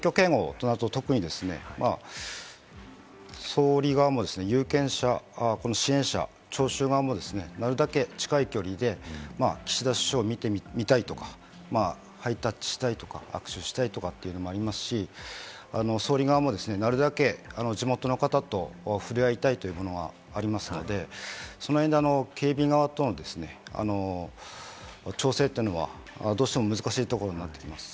選挙警護となると特に総理側も有権者、支援者、聴衆側もなるべく近い距離で岸田首相を見たいとか、ハイタッチしたいとか、握手したいとかっていうのもありますし、総理側もなるだけ地元の方と触れ合いたいというものがありますので、その辺で警備側との調整っていうのは、どうしても難しいところになってきます。